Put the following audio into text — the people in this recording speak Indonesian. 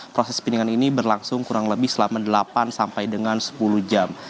proses piningan ini berlangsung kurang lebih selama delapan sampai dengan sepuluh jam